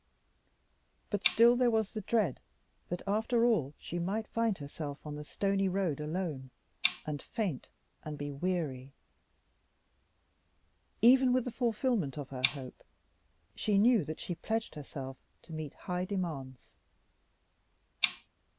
But still there was the dread that after all she might find herself on the stony road alone, and faint and be weary. Even with the fulfillment of her hope, she knew that she pledged herself to meet high demands.